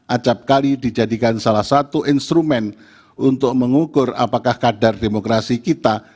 acapkali dijadikan salah satu instrumen untuk mengukur apakah kadar demokrasi kita